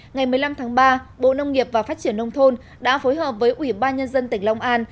ngày một mươi năm tháng ba bộ nông nghiệp và phát triển nông thôn đã phối hợp với ủy ban nhân dân tỉnh long an